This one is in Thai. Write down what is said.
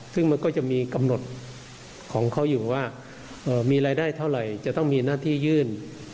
ซึ่งมันก็จะมีกำหนดของเขาอยู่ว่ามีรายได้เท่าไหร่จะต้องมีหน้าที่ยื่น